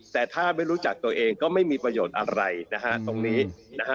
แต่ถ้าไม่รู้จักตัวเองก็ไม่มีประโยชน์อะไรนะฮะตรงนี้นะฮะ